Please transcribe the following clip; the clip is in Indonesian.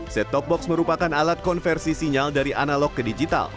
set top box merupakan alat konversi sinyal dari analog ke digital